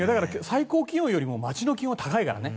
最高気温よりも街の気温、高いからね。